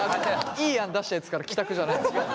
いい案出したやつから帰宅じゃないんですよ。